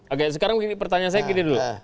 oke sekarang begini pertanyaan saya gini dulu